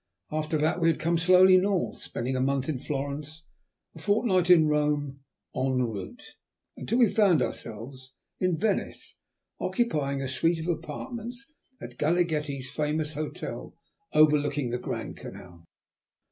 After that we had come slowly north, spending a month in Florence, and a fortnight in Rome en route, until we found ourselves in Venice, occupying a suite of apartments at Galaghetti's famous hotel overlooking the Grand Canal.